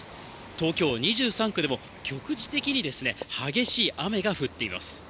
東京２３区でも、局地的に激しい雨が降っています。